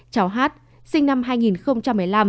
cháu hát sinh năm hai nghìn một mươi năm